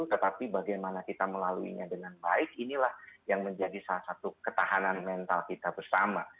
tetapi bagaimana kita melaluinya dengan baik inilah yang menjadi salah satu ketahanan mental kita bersama